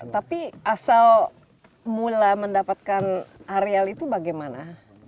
tapi asal mula mendapatkan areal itu bagaimana